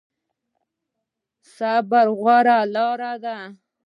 صبر غوره لاره ده